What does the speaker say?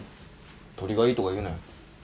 鶏がいいとか言うなよ。